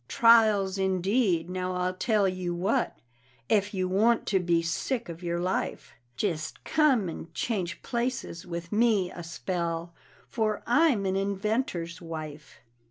Trials, indeed! Now I'll tell you what ef you want to be sick of your life, Jest come and change places with me a spell, for I'm an inventor's wife.